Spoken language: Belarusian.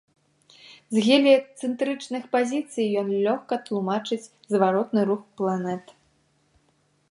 З геліяцэнтрычных пазіцый ён лёгка тлумачыць зваротны рух планет.